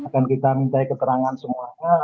dan kita minta keterangan semuanya